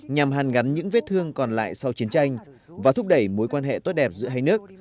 nhằm hàn gắn những vết thương còn lại sau chiến tranh và thúc đẩy mối quan hệ tốt đẹp giữa hai nước